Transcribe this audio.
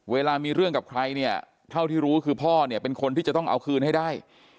เวลามีเรื่องกับใครเนี่ยเท่าที่รู้คือพ่อเนี่ยเป็นคนที่จะต้องเอาคืนให้ได้